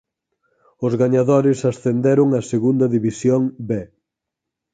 Os gañadores ascenderon a Segunda División B.